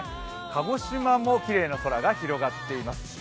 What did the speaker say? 鹿児島もきれいな空が広がっています。